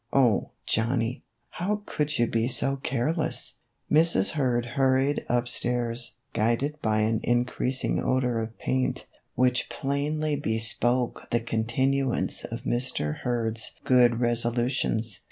Oh, Johnny ! how could you be so careless !" MR. HURD'S HOLIDAY. 1 03 Mrs. Kurd hurried up stairs, guided by an in creasing odor of paint, which plainly bespoke the continuance of Mr. Kurd's good resolutions.